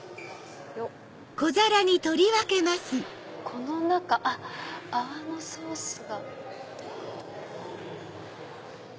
この中泡のソースが。